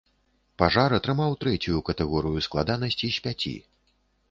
Пажар атрымаў трэцюю катэгорыю складанасці з пяці.